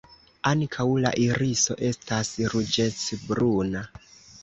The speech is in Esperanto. Ankaŭ la iriso estas ruĝecbruna.